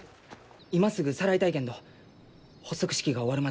今すぐさらいたいけんど発足式が終わるまではお預けじゃと。